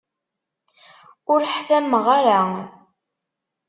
Ur ḥtammeɣ ara.